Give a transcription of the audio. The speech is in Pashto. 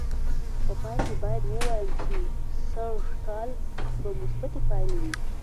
په پای کې باید ووایم چې سږ کال به مثبتې پایلې وې.